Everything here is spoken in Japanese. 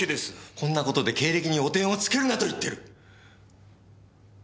こんな事で経歴に汚点をつけるなと言ってる。